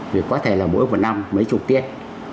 vì có thể là mỗi một năm mấy chục tiết